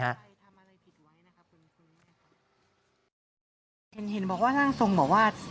เห็นบอกว่าสร้างทรงบอกว่า